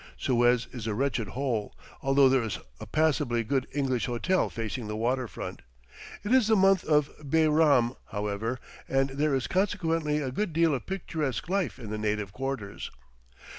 Suez is a wretched hole, although there is a passably good English hotel facing the water front. It is the month of Bairam, however, and there is consequently a good deal of picturesque life in the native quarters.